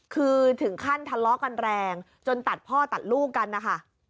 คือถึงขั้นทะเลาะกันแรงจนตัดพ่อตัดลูกกันนะคะ